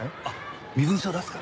身分証出すから。